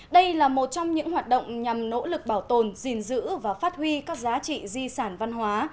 đây là một trong những hoạt động nhằm nỗ lực bảo tồn gìn giữ và phát huy các giá trị di sản văn hóa